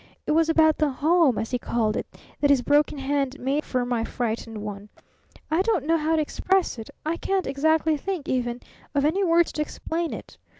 It was about the 'home,' as he called it, that his broken hand made for my frightened one. I don't know how to express it; I can't exactly think, even, of any words to explain it.